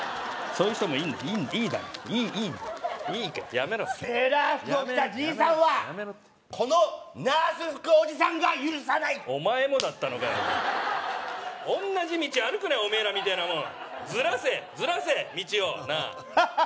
そういう人もいんだよいいだろいいんだよいいからやめろセーラー服を着たじいさんはこのナース服おじさんが許さないお前もだったのかよ同じ道歩くなよおめえらみてえなもんずらせずらせ道をなあハハハ！